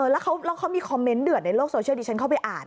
แล้วเขามีคอมเมนต์เดือดในโลกโซเชียลดิฉันเข้าไปอ่าน